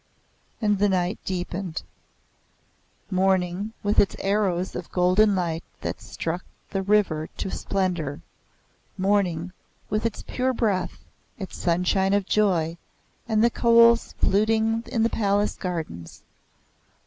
And the night deepened. Morning, with its arrows of golden light that struck the river to splendour! Morning, with its pure breath, its sunshine of joy, and the koels fluting in the Palace gardens!